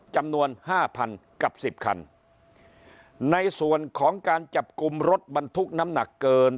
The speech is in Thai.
จำนวนห้าพันกับสิบคันในส่วนของการจับกลุ่มรถบรรทุกน้ำหนักเกิน